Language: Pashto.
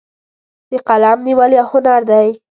د قلم نیول یو هنر دی.